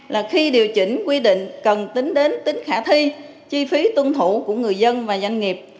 là khi điều chỉnh quy định cần tính đến tính khả thi chi phí tuân thủ của người dân và doanh nghiệp